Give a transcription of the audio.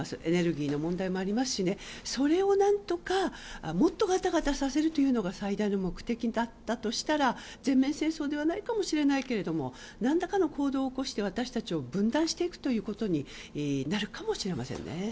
エネルギーの問題もありますしそれを何とかもっとガタガタさせるというのが最大の目的だったとしたら全面戦争ではないかもしれないけれども何らかの行動を起こして私たちを分断していくということになるかもしれませんね。